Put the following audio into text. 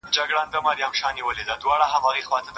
بې اختیاره له یارانو بېلېده دي